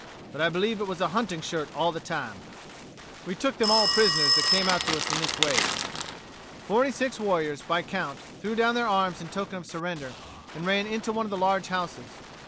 But I believe it was a hunting shirt all the time. We took them all prisoners that came out to us in this way." Forty six warriors, by count, threw down their arms in token of surrender, and ran into one of the large houses.